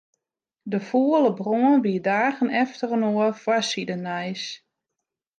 De fûle brân wie dagen efterinoar foarsidenijs.